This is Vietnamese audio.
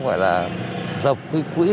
gọi là dọc cái quỹ